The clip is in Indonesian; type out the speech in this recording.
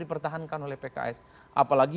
dipertahankan oleh pks apalagi